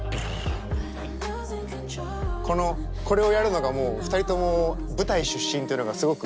このこれをやるのがもう２人とも舞台出身というのがすごく。